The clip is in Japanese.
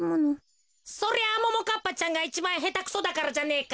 そりゃあももかっぱちゃんがいちばんヘタクソだからじゃねえか？